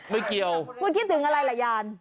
ไม่เกี่ยวคิดถึงอะไรหรอกยาน